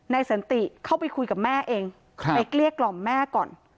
สันติเข้าไปคุยกับแม่เองไปเกลี้ยกล่อมแม่ก่อน